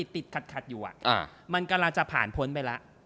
ติดขัดอยู่มันกำลังจะผ่านพ้นไปแล้ว